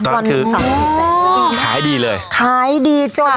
ตอนนั้นคือขายดีเลยขายดีจ้ะ